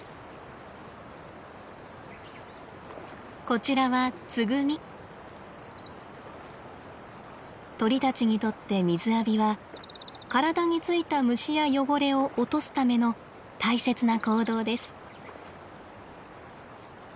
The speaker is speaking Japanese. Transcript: こちらは鳥たちにとって水浴びは体についた虫や汚れを落とすための大切な行動です。